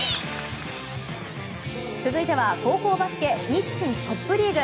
続いては高校バスケ日清トップリーグ。